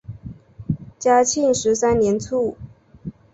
嘉庆十三年卒。